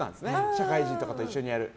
社会人とかと一緒にやる。